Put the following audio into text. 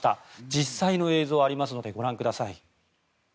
実際の映像ありますのでご覧ください。